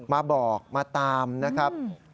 มาบอกมาตามนะครับ